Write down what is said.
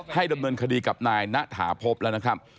ดำเนินคดีกับนายณฐาพบแล้วนะครับ